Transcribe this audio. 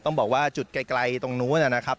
ต้องบอกว่าจุดไกลตรงนู้นนะครับ